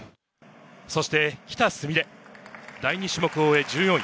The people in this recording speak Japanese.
そして喜田純鈴、第２種目を終え１４位。